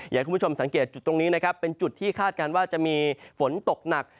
อยากให้คุณผู้ชมสังเกตจุดตรงนี้นะครับเป็นจุดที่คาดการณ์ว่าจะมีฝนตกหนัก